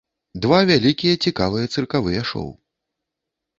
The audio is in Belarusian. Два вялікія цікавыя цыркавыя шоу.